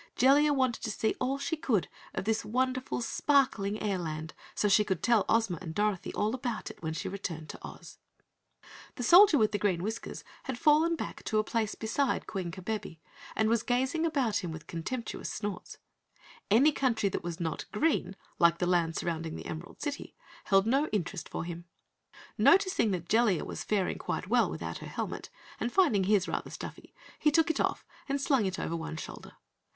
Jellia wanted to see all she could of this wonderful, sparkling airland so she could tell Ozma and Dorothy all about it when she returned to Oz. The Soldier with Green Whiskers had fallen back to a place beside Queen Kabebe and was gazing about him with contemptuous snorts. Any country that was not green like the land surrounding the Emerald City, held no interest for him. Noticing that Jellia was faring quite well without her helmet, and finding his rather stuffy, he took it off and slung it over one shoulder.